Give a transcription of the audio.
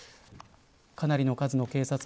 かなりの数の警察官。